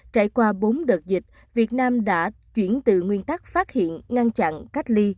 trải qua bốn đợt dịch việt nam đã chuyển từ nguyên tắc phát hiện ngăn chặn cách ly